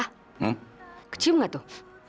pak kecium gak tuh